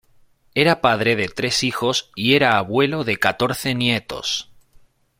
Era padre de tres hijos y era abuelo de catorce nietos.